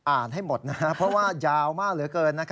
ให้หมดนะครับเพราะว่ายาวมากเหลือเกิน